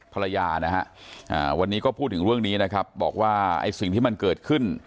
ภรรยานะฮะวันนี้ก็พูดถึงเรื่องนี้นะครับบอกว่าไอ้สิ่งที่มันเกิดขึ้น